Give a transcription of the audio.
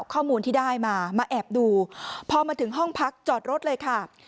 ข้อมูลที่ได้มามาแอบดูพอมาถึงห้องพักจอดรถเลยค่ะ